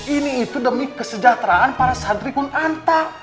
ini itu demi kesejahteraan para santri pun anta